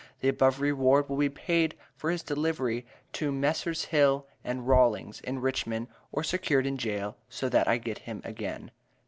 The above reward will be paid for his delivery to Messrs. Hill and Rawlings, in Richmond, or secured in jail, so that I get him again.